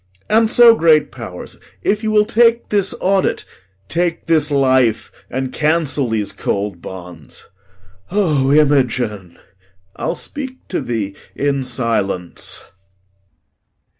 And so, great pow'rs, If you will take this audit, take this life, And cancel these cold bonds. O Imogen! I'll speak to thee in silence.